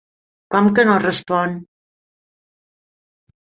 Com que no respon?